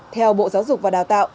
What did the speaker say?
theo bộ giáo dục và đào tạo